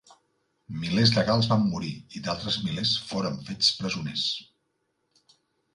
Milers de gals van morir i d'altres milers foren fets presoners.